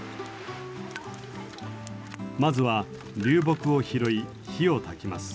まずは流木を拾い火を焚きます。